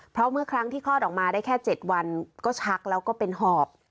เพราะเมื่อคล้อนที่คลอดออกมาเพียง๗วันก็ชักแล้วก็เป็นหอพ